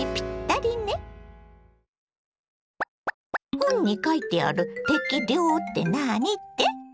本に書いてある「適量」って何って？